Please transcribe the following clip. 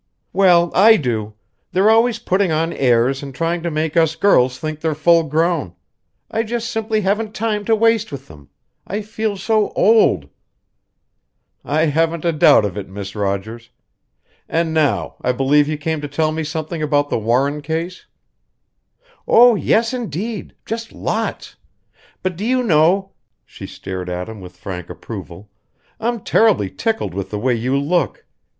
"Well, I do! They're always putting on airs and trying to make us girls think they're full grown. I just simply haven't time to waste with them. I feel so old!" "I haven't a doubt of it, Miss Rogers. And now I believe you came to tell me something about the Warren case?" "Oh, yes, indeed just lots! But do you know" she stared at him with frank approval "I'm terribly tickled with the way you look.